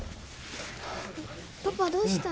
パパどうしたの？